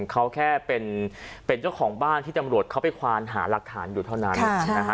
เขาแค่เป็นเจ้าของบ้านที่ตำรวจเขาไปควานหาหลักฐานอยู่เท่านั้นนะฮะ